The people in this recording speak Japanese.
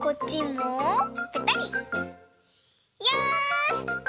よし！